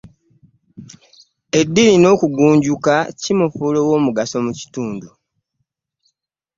Eddiini n'okugunjuka era kimufuula ow'omugaso mu kitundu.